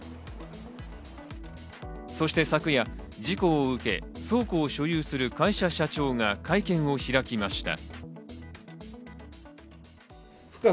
そして昨夜、事故を受け、倉庫を所有する会社社長が会見を開きました。